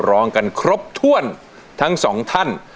ร้องกันครบถ้วนทั้งสองท่าน